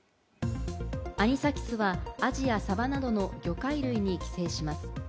アニサキスはアジやサバなどの魚介類に寄生します。